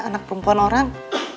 anak perempuan orang